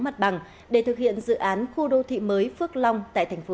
hãy đăng ký kênh để ủng hộ kênh của chúng mình nhé